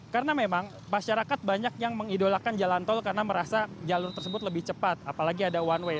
karena memang masyarakat banyak yang mengidolakan jalan tol karena merasa jalur tersebut lebih cepat apalagi ada one way